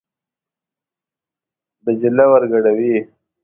دجله ور ګډوي.